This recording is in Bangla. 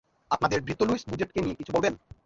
আপনাদের ভৃত্য লুইস বোজেটকে নিয়ে কিছু বলবেন?